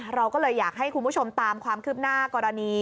เราก็เลยอยากให้คุณผู้ชมตามความคืบหน้ากรณี